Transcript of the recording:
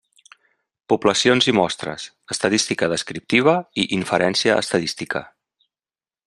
Poblacions i mostres: estadística descriptiva i inferència estadística.